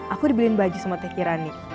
aku dibeliin baju sama teh kirani